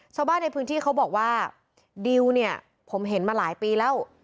ชาวบ้านในพื้นที่เขาบอกว่าดิวเนี่ยผมเห็นมาหลายปีแล้ว